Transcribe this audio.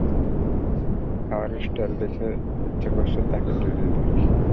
খাওয়ার স্টাইল দেখে ইচ্ছে করছে তাকে জড়িয়ে ধরি।